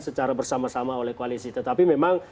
secara bersama sama oleh koalisi tetapi memang